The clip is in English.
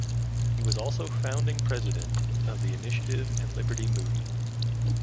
He was also founding President of the Initiative and Liberty Movement.